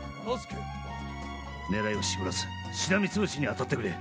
狙いを絞らずしらみ潰しに当たってくれ。